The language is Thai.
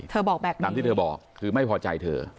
บอกแบบนั้นตามที่เธอบอกคือไม่พอใจเธอ